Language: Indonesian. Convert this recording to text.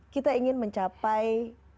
kita ingin mencapai